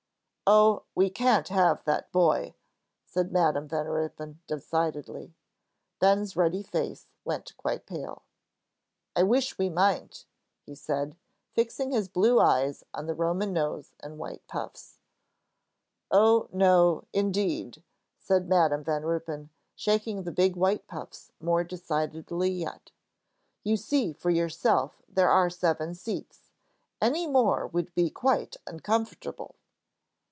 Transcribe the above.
"Oh, we can't have that boy," said Madam Van Ruypen, decidedly. Ben's ruddy face went quite pale. "I wish we might," he said, fixing his blue eyes on the Roman nose and white puffs. "Oh, no, indeed," said Madam Van Ruypen, shaking the big white puffs more decidedly yet. "You see for yourself there are seven seats. Any more would be quite uncomfortable."